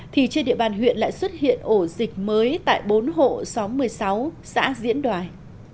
thì trên địa bàn huyện lại xuất hiện ổ dịch mới tại bốn hộ xóm một mươi sáu xã diễn đoài